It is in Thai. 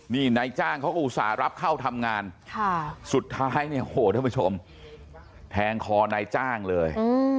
นี่นายจ้างเขาก็อุตส่าห์รับเข้าทำงานสุดท้ายเนี่ยโหท่านผู้ชมแทงคอนายจ้างเลย